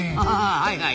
はいはい。